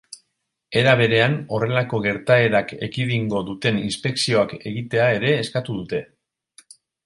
Era berean, horrelako gertaerak ekidingo duten inspekzioak egitea ere eskatu dute.